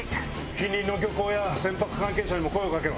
近隣の漁港や船舶関係者にも声を掛けろ。